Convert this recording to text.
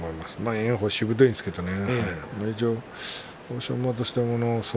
炎鵬、しぶといんですけどもね。